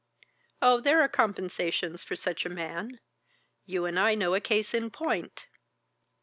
Oh, there are compensations for such a man. You and I know a case in point."